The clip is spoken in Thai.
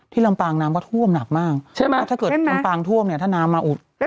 ที่ลำปางน้ำก็ท่วมหนักมากถ้าเกิดลำปางท่วมถ้าน้ำมาอุด